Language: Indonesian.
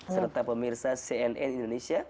serta pemirsa cnn indonesia